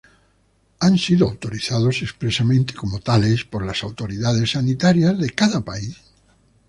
Han sido autorizados expresamente como tales por las autoridades sanitarias de cada país.